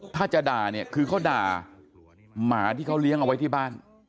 ถ้าจะด่าเนี่ยคือเขาด่าหมาที่เขาเลี้ยงเอาไว้ที่บ้าน